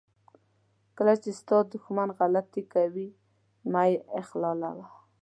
کله چې ستا دښمن غلطي کوي مه یې اخلالوه.